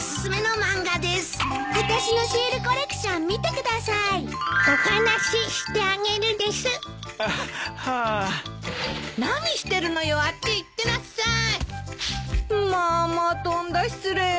まあまあとんだ失礼を。